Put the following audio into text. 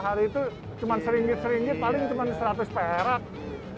hari itu cuma seringgit seringgit paling cuma seratus perak